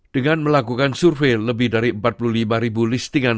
dengan melakukan survei lebih dari empat puluh lima ribu listingan